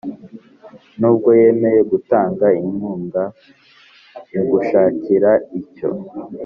nubwo yemeye gutanga inkunga mu gushakira icyo